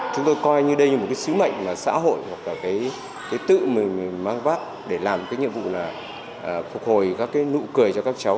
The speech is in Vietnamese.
chúng tôi coi đây như một sứ mệnh xã hội tự mình mang vác để làm nhiệm vụ phục hồi các nụ cười cho các cháu